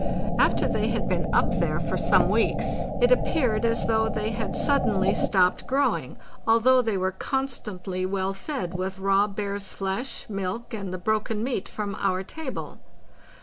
After they had been up there for some weeks it appeared as though they had suddenly stopped growing, although they were con stantly well fed with raw bear's flesh, milk, and the broken meat from our table.